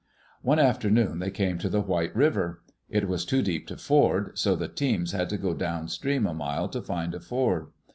One afternoon they came to the White River. It was too deep to ford, so the teams had to go down stream a mile to find a ford.